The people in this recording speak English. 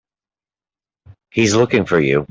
He's looking for you.